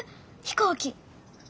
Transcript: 飛行機。